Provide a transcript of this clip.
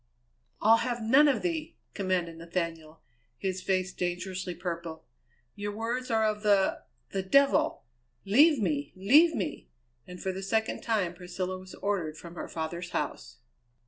"I'll have none of thee!" commanded Nathaniel, his face dangerously purple. "Your words are of the the devil! Leave me! leave me!" And for the second time Priscilla was ordered from her father's house.